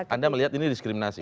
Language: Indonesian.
anda melihat ini diskriminasi